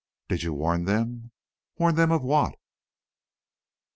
"Did you warn them?" "Warn them of what?"